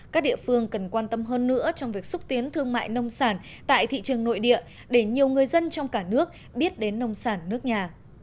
các địa phương cần quan tâm hơn nữa trong việc xúc tiến thương mại nông sản tại thị trường nội địa để nhiều người dân trong cả nước biết đến nông sản nước nhà